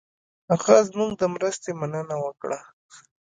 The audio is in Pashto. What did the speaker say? هغه زموږ د مرستې مننه وکړه.